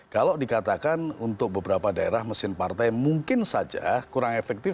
kalau dikatakan untuk beberapa daerah mesin partai mungkin saja kurang efektif